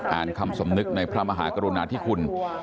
อ่านคำสมนึกในพระมหากรุณาที่คุณ